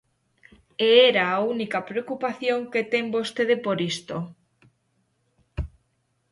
E era a única preocupación que ten vostede por isto.